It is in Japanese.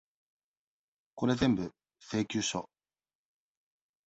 これぜんぶ、請求書。